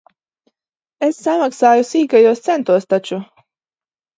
Es samaksāju sīkajos centos taču.